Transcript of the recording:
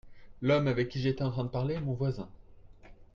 L'homme avec qui j'étais en train de parler est mon voisin.